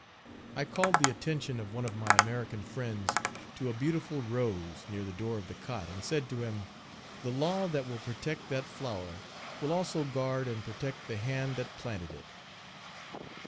I called the attention of one of my American friends to a beautiful rose near the door of the cot, and said to him, "The law that will protect that flower will also guard and protect the hand that planted it."